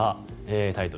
タイトル